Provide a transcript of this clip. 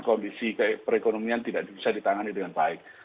kondisi perekonomian tidak bisa ditangani dengan baik